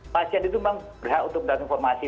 pasien itu memang berhak untuk mendapatkan informasi